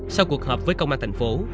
sau cuộc hợp với công an thành phố